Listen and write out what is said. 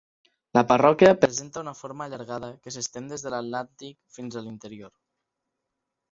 La parròquia presenta una forma allargada que s'estén des de l'Atlàntic fins a l'interior.